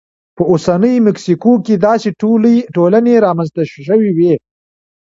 په اوسنۍ مکسیکو کې داسې ټولنې رامنځته شوې وې